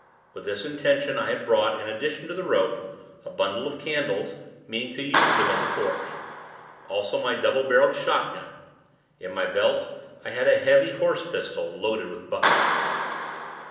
With this intention, I had brought, in addition to the rope, a bundle of candles, meaning to use them as a torch; also my double barreled shotgun. In my belt, I had a heavy horse pistol, loaded with buckshot.